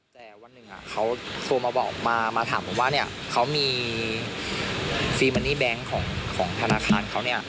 แต่วันหนึ่งเขาโทรมาถามว่าฟรีเมอร์นี้แบงค์ของธนาคารเขา